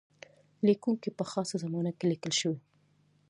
لیکونکی په خاصه زمانه کې لیکل شوی.